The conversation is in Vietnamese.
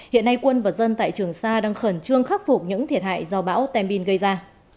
hiện nay quân và dân tại trường sa đang khẩn trương khắc phục những thiệt hại do bão tem bin gây ra